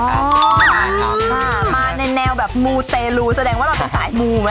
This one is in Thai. มาในแนวมูเตรูแสดงว่าเราจะถ่ายมู